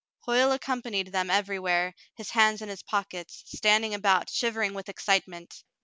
Hoyle accompanied them everywhere, his hands in his pockets, standing about, shivering with excitement.